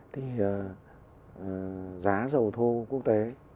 thì giá dầu thô quốc tế